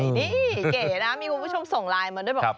มีคุณผู้ชมส่งไลน์มาด้วยบอก